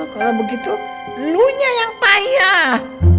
kalo begitu lo nya yang payah